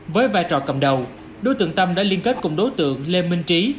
với vai trò cầm đầu đối tượng tâm đã liên kết cùng đối tượng lê minh trí